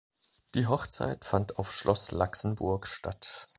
Die Hochzeit fand auf Schloss Laxenburg statt.